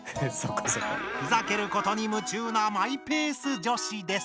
ふざけることに夢中なマイペース女子です。